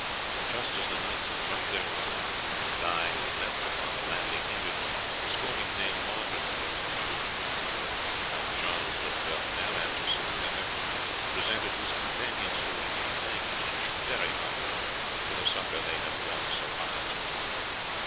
Just as the knights had drunk their wine, Guy, who had left them on the landing, entered, escorting Dame Margaret and her two children. Count Charles d'Estournel, after saluting her, presented his companions to her, and she thanked each very heartily for the succour they had brought so opportunely.